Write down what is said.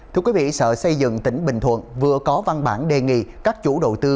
thưa quý vị sở xây dựng tỉnh bình thuận vừa có văn bản đề nghị các chủ đầu tư